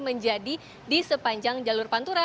menjadi di sepanjang jalur pantura